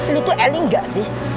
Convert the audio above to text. lo tuh eling gak sih